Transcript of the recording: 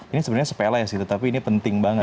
ini sebenarnya sepela ya sih tetapi ini penting banget